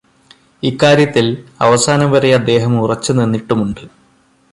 ഇക്കാര്യത്തില് അവസാനം വരെ അദ്ദേഹം ഉറച്ചു നിന്നിട്ടുമുണ്ട്.